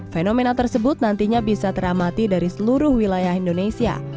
fenomena tersebut nantinya bisa teramati dari seluruh wilayah indonesia